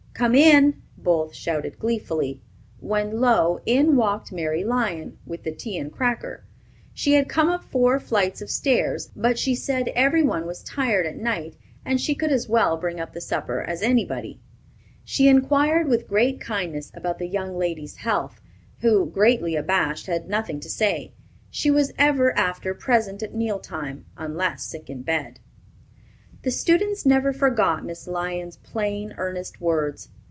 "Come in!" both shouted gleefully, when lo! in walked Mary Lyon, with the tea and cracker. She had come up four flights of stairs; but she said every one was tired at night, and she could as well bring up the supper as anybody. She inquired with great kindness about the young lady's health, who, greatly abashed, had nothing to say. She was ever after present at meal time, unless sick in bed. The students never forgot Miss Lyon's plain, earnest words.